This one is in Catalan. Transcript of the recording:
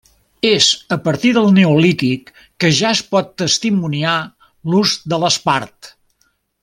És a partir del Neolític quan ja es pot testimoniar l'ús de l'espart.